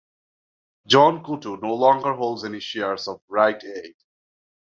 Jean Coutu no longer holds any shares of Rite Aid.